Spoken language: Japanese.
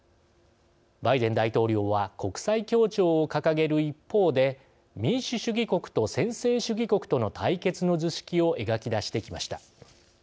バイデン大統領は国際協調を掲げる一方で民主主義国と専制主義国との対決の図式を描き出してきました。